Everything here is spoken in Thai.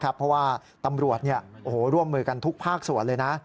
เพราะว่าตำรวจร่วมมือกันทุกภาคส่วนเลยนะ